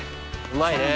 うまいね。